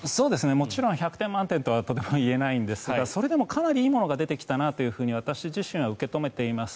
もちろん１００点満点とはとても言えないんですがそれでもかなりいいものが出てきたなと私自身は受けて止めています。